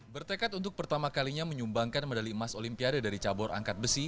bertekad untuk pertama kalinya menyumbangkan medali emas olimpiade dari cabur angkat besi